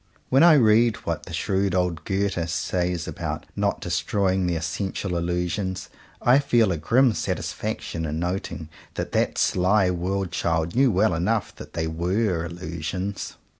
When I read what the shrewd old Goethe says about not destroying the essential Illusions, I feel a grim satisfaction in noting that that sly world child knew well enough that they were Illusions.